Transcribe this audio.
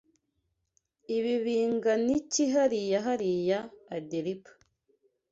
Ibi bingana iki hariya hariya? (Adelpa)